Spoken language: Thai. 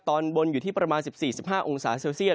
ตอนบนอยู่ที่ประมาณ๑๔๑๕องศาเซลเซียต